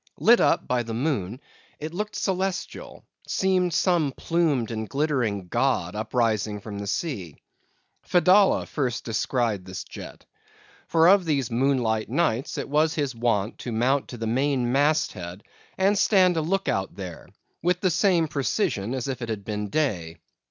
Lit up by the moon, it looked celestial; seemed some plumed and glittering god uprising from the sea. Fedallah first descried this jet. For of these moonlight nights, it was his wont to mount to the main mast head, and stand a look out there, with the same precision as if it had been day.